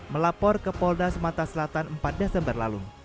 melapor ke polda sumatera selatan empat desember lalu